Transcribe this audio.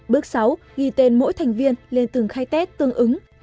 bước sáu ghi tên mỗi thành viên lên từng khai tết tương ứng